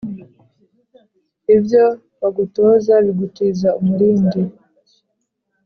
ibyo bagutoza bigutiza umurindi